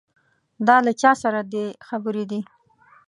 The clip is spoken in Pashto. دا له چا سره دې خبرې دي.